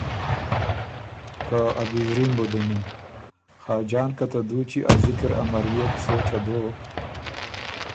که ا بِزري م بُو دُمِن“ خاجان که ته دُوچی ا ذِکر امريېک سوچه دوک